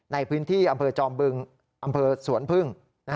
ในพื้นที่อำเภอจอมบึงอำเภอสวนพึ่ง